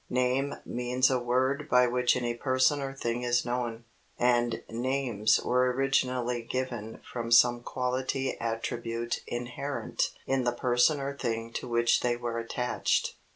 "Name" means a word by which any person or thing is known, and names were originally given from some quality attribute inherent in the person or thing to which they were attached.